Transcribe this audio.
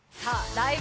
ライブ！」